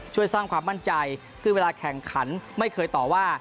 ช่วยสร้างความมั่นใจซึ่งเวลาแข่งขันไม่เคยต่อว่า